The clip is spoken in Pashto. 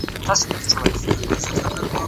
زه به بازار ته تللی وي،